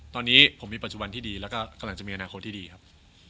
ตอนนี้ผมมีปัจจุบันที่ดีแล้วก็กำลังจะมีอนาคตที่ดีครับ